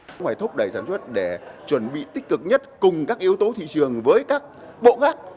cũng phải thúc đẩy sản xuất để chuẩn bị tích cực nhất cùng các yếu tố thị trường với các bộ gác